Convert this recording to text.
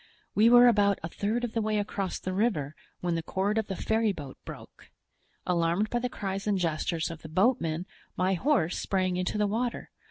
"We were about a third of the way across the river when the cord of the ferryboat broke. Alarmed by the cries and gestures of the boatmen, my horse sprang into the water.